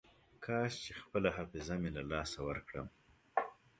کاش چې خپله حافظه مې له لاسه ورکړم.